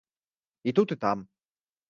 І тут, і там.